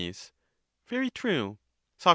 Very true. Soc.